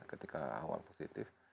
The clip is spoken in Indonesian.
ketika awal positif